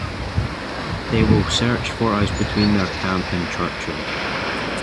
They will search for us between their camp and Churchill.